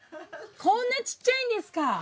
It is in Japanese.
こんなちっちゃいんですか。